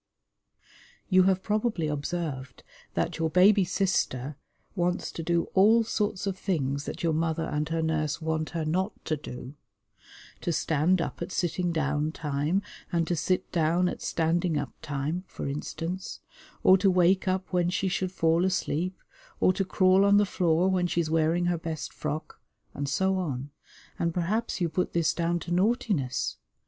You have probably observed that your baby sister wants to do all sorts of things that your mother and her nurse want her not to do: to stand up at sitting down time, and to sit down at standing up time, for instance, or to wake up when she should fall asleep, or to crawl on the floor when she is wearing her best frock, and so on, and perhaps you put this down to naughtiness.